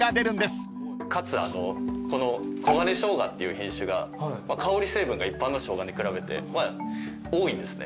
かつこの黄金しょうがっていう品種が香り成分が一般のショウガに比べて多いんですね。